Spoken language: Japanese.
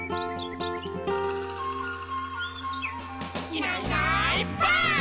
「いないいないばあっ！」